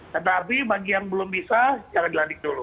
tetapi bagi yang belum bisa jangan dilantik dulu